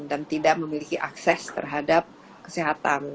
dan tidak memiliki akses terhadap kesehatan